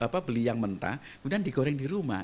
pertentangan udang telah dipotong sampai bawah